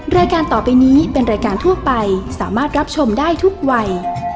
รายการต่อไปนี้เป็นรายการทั่วไปสามารถรับชมได้ทุกวัย